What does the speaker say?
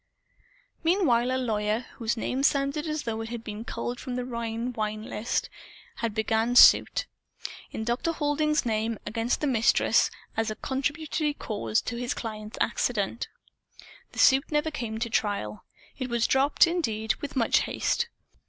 Meanwhile, a lawyer, whose name sounded as though it had been culled from a Rhine Wine list, had begun suit, in Dr. Halding's name, against the Mistress, as a "contributory cause" of his client's accident. The suit never came to trial. It was dropped, indeed, with much haste.